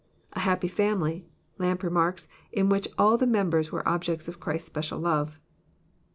A happy family, Lampe remarks, in which all the members were objects of Christ's special love.